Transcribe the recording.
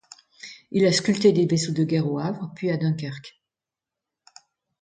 Il a sculpté des vaisseaux de guerre au Havre puis à Dunkerque.